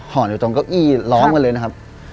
อยู่ตรงเก้าอี้ล้อมกันเลยนะครับ